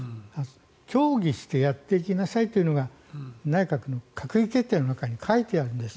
協議してやっていきなさいというのが内閣の閣議決定の中に書いてあるんです。